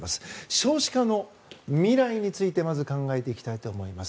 少子化の未来についてまず考えていきたいと思います。